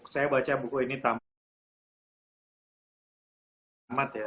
saya buku ini tampil